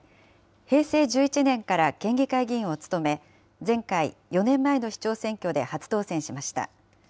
平成１１年から県議会議員を務め、前回・４年前の市長選挙で初当選しました。